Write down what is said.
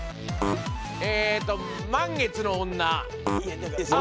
えっと満月の女。